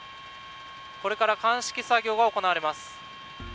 これから鑑識作業が行われます。